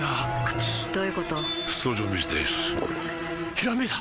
ひらめいた！